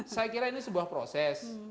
saya kira ini sebuah proses